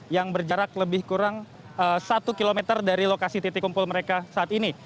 yang berjarak lebih kurang satu km dari lokasi titik kumpul mereka saat ini